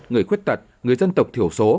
người khuyết tật người dân tộc thiểu số